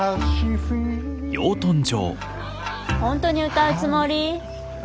本当に歌うつもり？